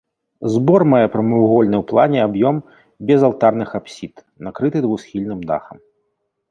Збор мае прамавугольны ў плане аб'ем без алтарных апсід, накрыты двухсхільным дахам.